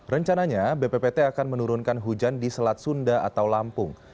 rencananya bppt akan menurunkan hujan di selat sunda atau lampung